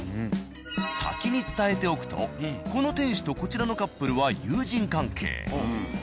先に伝えておくとこの店主とこちらのカップルは友人関係。